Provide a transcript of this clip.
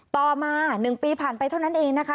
ต่อมา๑ปีผ่านไปเท่านั้นเองนะคะ